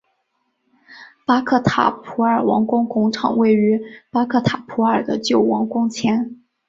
巴克塔普尔王宫广场位于巴克塔普尔的旧王宫前。